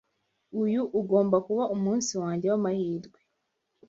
Uyu ugomba kuba umunsi wanjye wamahirwe.